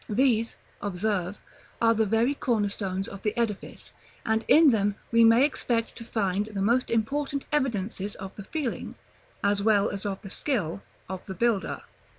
These, observe, are the very corner stones of the edifice, and in them we may expect to find the most important evidences of the feeling, as well as of the skill, of the builder.